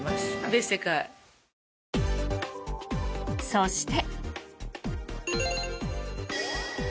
そして。